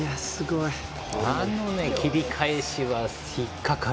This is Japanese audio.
あの切り返しは引っかかる。